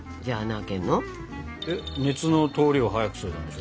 熱の通りを早くするためでしょ？